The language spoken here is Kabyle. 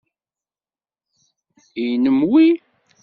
Nnem wi?